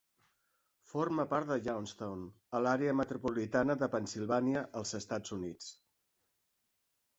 Forma part de Johnstown, a l'àrea metropolitana de Pennsilvània, als Estats Units.